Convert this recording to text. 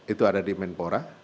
itu ada di menpora